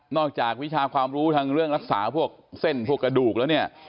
จากวิชาความรู้ทางเรื่องรักษาพวกเส้นพวกกระดูกแล้วเนี่ย